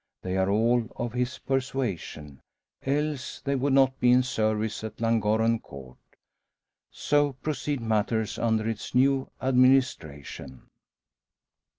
They are all of his persuasion, else they would not be in service at Llangorren Court. So proceed matters under its new administration.